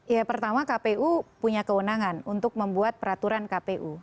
ya pertama kpu punya kewenangan untuk membuat peraturan kpu